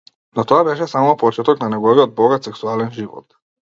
Но тоа беше само почеток на неговиот богат сексуален живот.